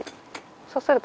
そうすると。